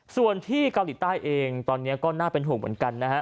ส่วนที่เกาหลีใต้เองตอนนี้ก็น่าเป็นห่วงเหมือนกันนะฮะ